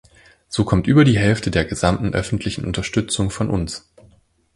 So kommt über die Hälfte der gesamten öffentlichen Unterstützung von uns.